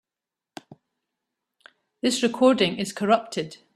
This recording is corrupted.